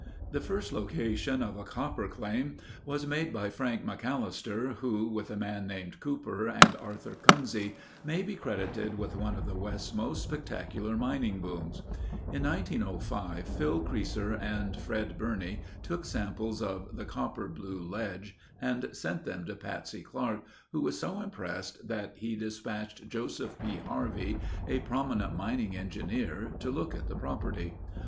The first location of a copper claim was made by Frank McAllister who, with a man named Cooper and Arthur Kunzie, may be credited with one of the West's most spectacular mining booms. In 1905 Phil Creaser and Fred Birney took samples of the Copper Blue Ledge and sent them to Patsy Clark, who was so impressed that he dispatched Joseph P. Harvey, a prominent mining engineer to look at the property.